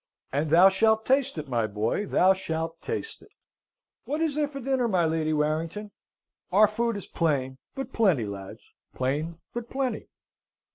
"And thou shalt taste it, my boy," thou shalt taste it! What is there for dinner, my Lady Warrington? Our food is plain, but plenty, lads plain, but plenty!"